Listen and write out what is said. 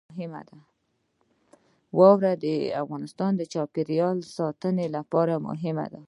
واوره د افغانستان د چاپیریال ساتنې لپاره مهم دي.